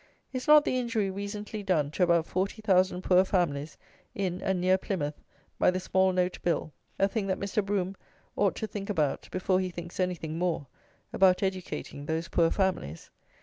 Is not the injury recently done to about forty thousand poor families in and near Plymouth, by the Small note Bill, a thing that Mr. Brougham ought to think about before he thinks anything more about educating those poor families?